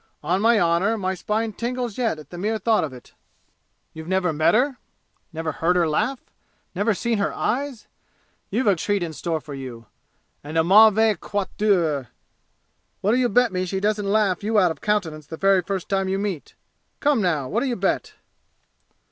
On my honor, my spine tingles yet at the mere thought of it! You've never met her? Never heard her laugh? Never seen her eyes? You've a treat in store for you and a mauvais quat' d'heure! What'll you bet me she doesn't laugh you out of countenance the very first time you meet? Come now what'll you bet?"